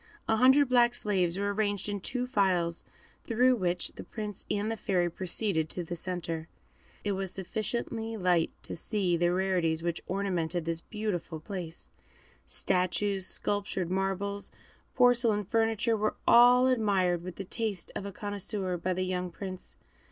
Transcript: A hundred black slaves were arranged in two files, through which the Prince and the Fairy proceeded to the centre. It was sufficiently light to see the rarities which ornamented this beautiful place; statues, sculptured marbles, porcelain, furniture, were all admired with the taste of a connoisseur by the young Prince.